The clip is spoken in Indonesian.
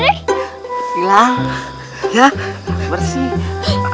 belalang ya bersih